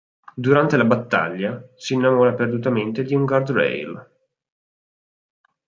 Durante la battaglia si innamora perdutamente di un guardrail.